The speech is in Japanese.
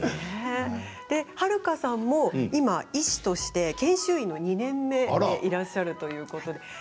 で、はるかさんも今、医師として研修医の２年目でいらっしゃるということで。